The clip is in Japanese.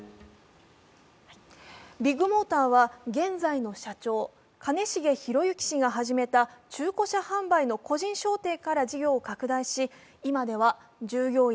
ビッグモーターは現在の社長、兼重宏行氏が始めた中古車販売の個人商店から拡大し今では従業員